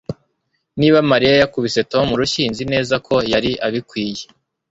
Niba Mariya yakubise Tom urushyi nzi neza ko yari abikwiye